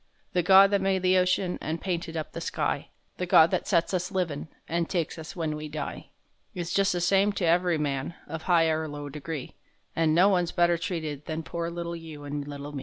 The Gawd that made the ocean An' painted up the sky, The Gawd that sets us livin' An' takes us when we die, Is just the same to ev'ry man, Of high or low degree, An' no one's better treated than Poor little you and little me.